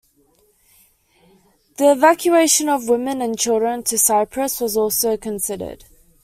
The evacuation of women and children to Cyprus was also considered.